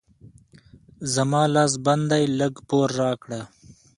زما لاس بند دی؛ لږ پور راکړه.